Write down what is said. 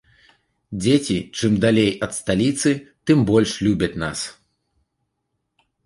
Дзеці чым далей ад сталіцы, тым больш любяць нас.